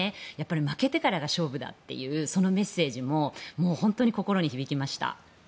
負けてからが勝負だというそのメッセージももう本当に心に響きました。